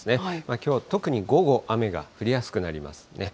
きょうは特に午後、雨が降りやすくなります。